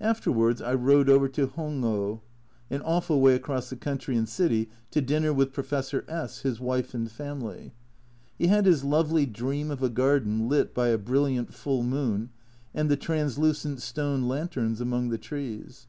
Afterwards I rode over to Hongo an awful way across the country and city, to dinner with Professor S , his wife and family. He had his lovely dream of a garden lit by a brilliant full moon, and the translucent stone lanterns among the trees.